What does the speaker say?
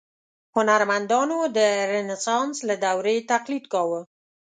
هنرمندانو د رنسانس له دورې تقلید کاوه.